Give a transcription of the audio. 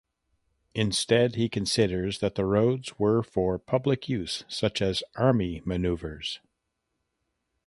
Instead he considers that the roads were for public use such as army manoeuvres.